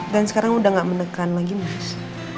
dan sekarang sudah tidak menekan lagi mas